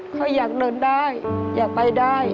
เขาอยากเดินได้อยากไปได้